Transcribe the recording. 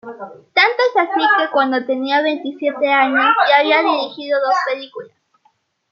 Tanto es así que cuando tenía veintisiete años ya había dirigido dos películas.